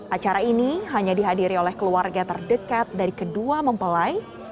acara ini hanya dihadiri oleh keluarga terdekat dari kedua mempelai